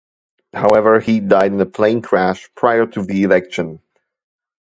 However, he died in a plane crash prior to the election.